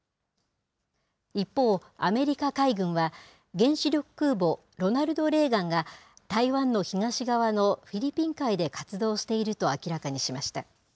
一方、アメリカ海軍は、原子力空母、ロナルド・レーガンが、台湾の東側のフィリピン海で活動していると明らかにしました。